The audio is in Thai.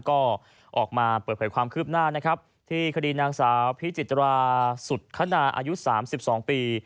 ก็ออกมาเปิดเผยความคืบหน้านะครับที่คดีนางสาวพิจิตราสุดคณาอายุ๓๒ปี